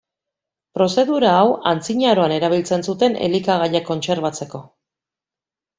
Prozedura hau antzinaroan erabiltzen zuten elikagaiak kontserbatzeko.